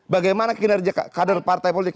bagaimana kinerja kader partai politik